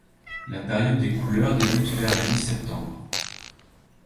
La période des couleurs débute vers la mi-septembre.